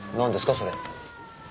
それ。